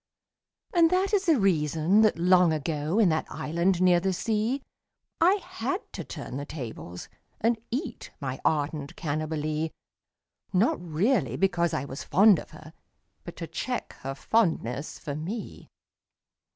And that is the reason that long ago. In that island near the sea, I had to turn the tables and eat My ardent Cannibalee — Not really because I was fond of her, But to check her fondness for me.